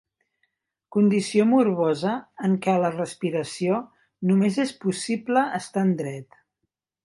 Condició morbosa en què la respiració només és possible estant dret.